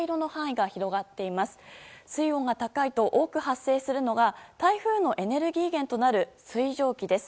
水温が高いと多く発生するのが台風のエネルギー源となる水蒸気です。